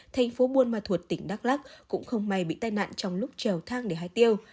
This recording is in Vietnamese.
thành phố buôn ma thuột tỉnh đắk lắc cũng không may bị tai nạn trong lúc trèo thang để hái tiêu